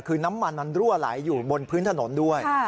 คือน้ำมันมันรั่วไหลอยู่บนพื้นถนนด้วย